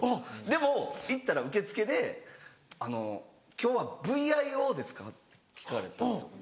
でも行ったら受付であの「今日はＶＩＯですか？」って聞かれたんですよ。